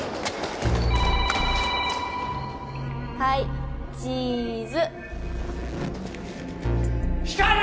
はいチーズ光莉！